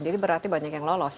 jadi berarti banyak yang lolos